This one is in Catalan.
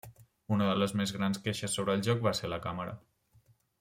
Una de les més grans queixes sobre el joc va ser la càmera.